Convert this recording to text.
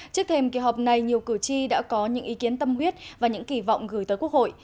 trước thêm kỳ họp này nhiều cử tri đã có những ý kiến tâm huyết và những kỳ vọng gửi tới quốc hội